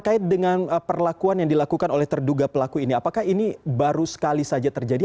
apakah perlakuan yang dilakukan oleh terduga pelaku ini apakah ini baru sekali saja terjadi